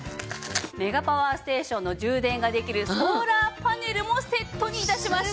メガパワーステーションの充電ができるソーラーパネルもセットに致しました。